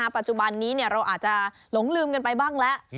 ปัจจุบันนี้เราอาจจะหลงลืมกันไปบ้างแล้ว